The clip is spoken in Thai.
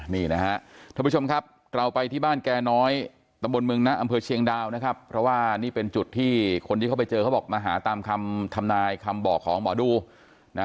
นี่นะฮะท่านผู้ชมครับเราไปที่บ้านแก่น้อยตำบลเมืองนะอำเภอเชียงดาวนะครับเพราะว่านี่เป็นจุดที่คนที่เขาไปเจอเขาบอกมาหาตามคำทำนายคำบอกของหมอดูนะ